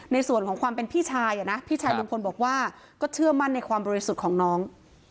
ในส่วนของความเป็นพี่ชายนะพี่ชายลุงพลบอกว่าก็เชื่อมั่นในความบริสุทธิ์ของน้อง